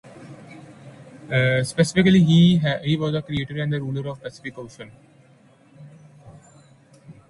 Specifically, he was the creator and ruler of the Pacific Ocean.